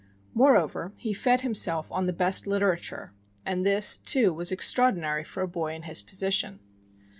Moreover, he fed himself on the best literature; and this, too, was extraordinary for a boy in his position.